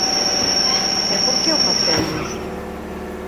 ¿E por que o facemos?